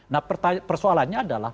nah persoalannya adalah